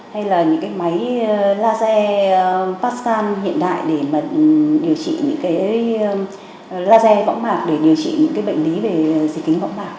hay là những máy laser pascal hiện đại để điều trị những bệnh lý về dịch kính võng mạc